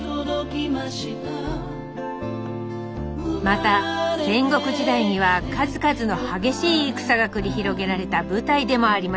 また戦国時代には数々の激しい戦が繰り広げられた舞台でもあります